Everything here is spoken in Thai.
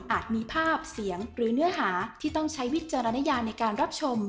มีภาพเสียงหรือเนื้อหาที่ต้องใช้วิจารณญาในการรับชม